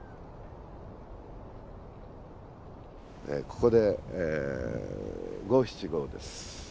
ここで五七五です。